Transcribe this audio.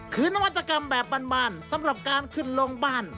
คือนวัตกรรมแบบบานสำหรับการขึ้นลงบ้าน